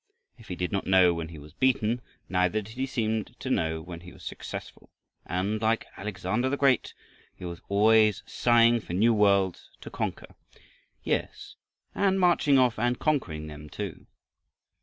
If he "did not know when he was beaten," neither did he seem to know when he was successful; and like Alexander the Great he was always sighing for new worlds to conquer, yes, and marching off and conquering them too.